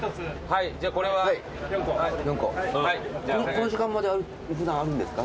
この時間まで普段あるんですか？